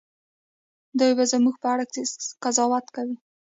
دوی به زموږ په اړه قضاوت کوي.